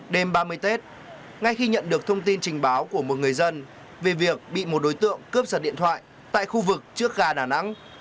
đêm ba mươi tết ngay khi nhận được thông tin trình báo của một người dân về việc bị một đối tượng cướp giật điện thoại tại khu vực trước gà đà nẵng